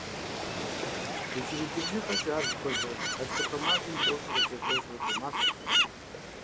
Иджырей ди бжыгъэкӏэ ар зыхуэзэр гъатхэпэ мазэм и тӏощӏрэ зы-тӏощӏрэ тӏу махуэхэрщ.